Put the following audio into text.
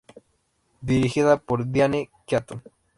Dirigida por Diane Keaton.